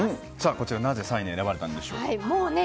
こちら、なぜ３位に選ばれたんでしょうか？